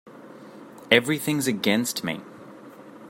Everything’s against me.